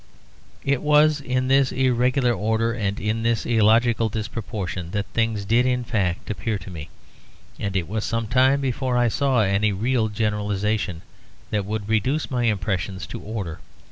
It was in this irregular order, and in this illogical disproportion, that things did in fact appear to me, and it was some time before I saw any real generalisation that would reduce my impressions to order.